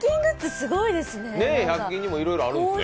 すごいですね。